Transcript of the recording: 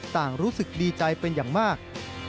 รู้สึกดีใจเป็นอย่างมาก